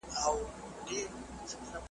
ته به کچکول را ډکوې یو بل به نه پېژنو .